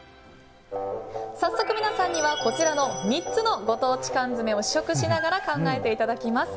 早速皆さんにはこちらの３つのご当地缶詰を試食しながら考えていただきます。